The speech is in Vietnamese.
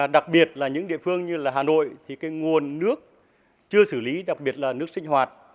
đặc biệt là những địa phương như là hà nội thì cái nguồn nước chưa xử lý đặc biệt là nước sinh hoạt